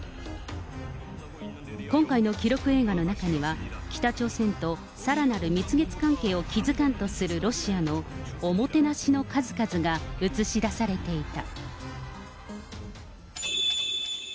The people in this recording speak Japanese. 今回の記録映画の中には、北朝鮮とさらなる蜜月関係を築かんとするロシアのおもてなしの数々が映し出されていた。